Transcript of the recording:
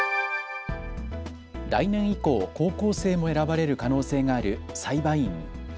来年以降、高校生も選ばれる可能性がある裁判員。